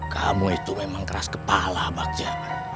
kamu itu memang keras kepala pak ja